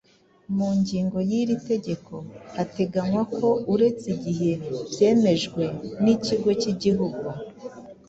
Mu ngingo yiri tegeko hateganywa ko uretse igihe byemejwe n’Ikigo k’Igihugu